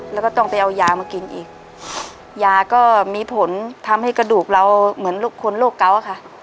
แล้วก็ต้องไปเอายามากินอีกยาก็มีผลทำให้กระดูกเราเหมือนคนโรคเกาะค่ะ